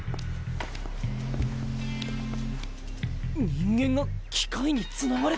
人間が機械につながれてる！